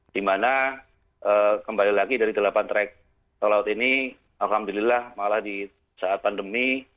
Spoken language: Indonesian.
di mana kembali lagi dari delapan track tol laut ini alhamdulillah malah di saat pandemi